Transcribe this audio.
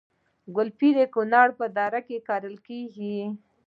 ګلپي د کونړ په درو کې کرل کیږي